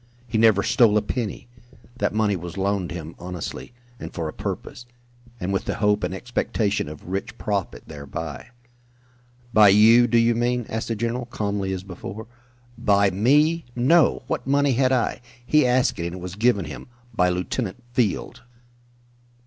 He never stole a penny. That money was loaned him honestly and for a purpose and with the hope and expectation of rich profit thereby." "By you, do you mean?" asked the general, calmly, as before. "By me? No! What money had I? He asked it and it was given him by Lieutenant Field."